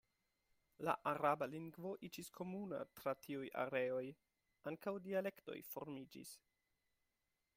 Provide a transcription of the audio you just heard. La araba lingvo iĝis komuna tra tiuj areoj; ankaŭ dialektoj formiĝis.